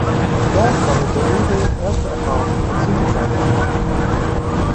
Dort sammelte Ure erste Erfahrungen mit Synthesizern.